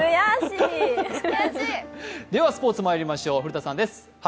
ではスポーツまいりましょう、古田さんです。